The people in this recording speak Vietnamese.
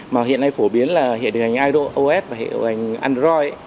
mà hiện nay phổ biến là hệ điều hành ios và hệ điều hành android